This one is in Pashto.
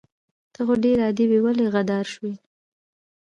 ته خو ډير عادي وي ولې غدار شوي